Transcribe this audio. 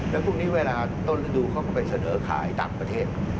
แล้วพรุ่งนี้เวลาต้นฤดูเขาก็ไปเสนอขายต่างประเทศ